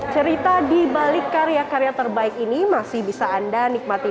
cerita di balik karya karya terbaik ini masih bisa anda nikmati